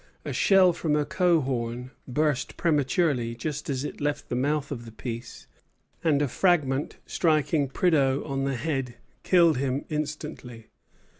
A shell from a coehorn burst prematurely, just as it left the mouth of the piece, and a fragment striking Prideaux on the head, killed him instantly.